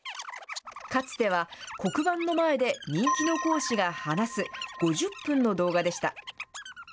かつては黒板の前で人気の講師が話す、５０分の動画でした。